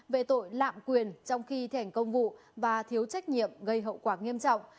về tội lạm quyền trong khi thèn công vụ và thiếu trách nhiệm gây hậu quả nghiêm trọng